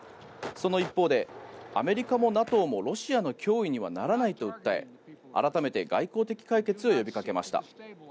その一方でアメリカもＮＡＴＯもロシアの脅威にはならないと訴え改めて外交的解決を呼びかけました。